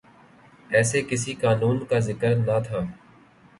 ایسے کسی قانون کا ذکر نہ تھا۔